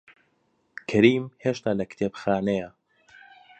کەریم هێشتا لە کتێبخانەیە.